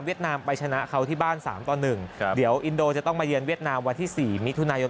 เวียดนามไปชนะเขาที่บ้าน๓๑เดี๋ยวอินโดจะต้องมาเรียนเวียดนามวันที่๔มิถุนายน